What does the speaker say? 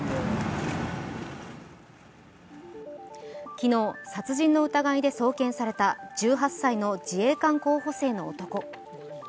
昨日、殺人の疑いで送検された１８歳の自衛官候補生の男。